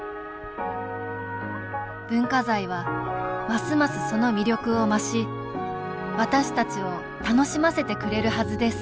文化財はますます、その魅力を増し私たちを楽しませてくれるはずです